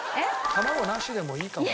卵なしでもいいかも。